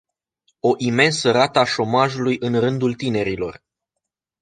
O imensă rată a șomajului în rândul tinerilor!